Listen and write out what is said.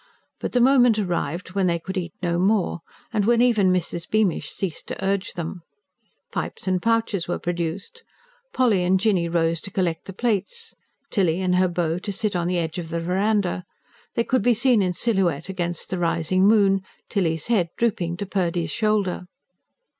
But the moment arrived when they could eat no more, and when even Mrs. Beamish ceased to urge them. Pipes and pouches were produced; Polly and Jinny rose to collect the plates, Tilly and her beau to sit on the edge of the verandah: they could be seen in silhouette against the rising moon, Tilly's head drooping to Purdy's shoulder.